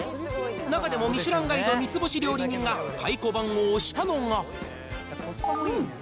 中でもミシュランガイド３つ星料理人が太鼓判を押したのが。